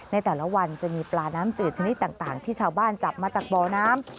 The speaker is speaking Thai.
ในแต่ละวันจะมีปลาน้ำจืดชนิดต่างที่ชาวบ้านจับมาจากบ่อน้ำ